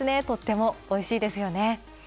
とってもおいしいですよね